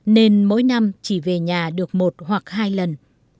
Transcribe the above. nên mỗi năm chỉ về nhà được một hoặc hai lần